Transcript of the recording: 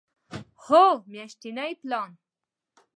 هو، میاشتنی پلان